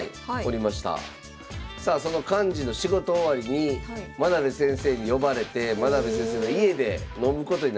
さあその幹事の仕事終わりに真部先生に呼ばれて真部先生の家で飲むことになりました。